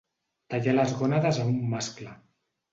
Tallar les gònades a un mascle.